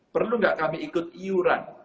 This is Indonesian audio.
perlu nggak kami ikut iuran